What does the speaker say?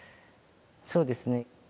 そうですね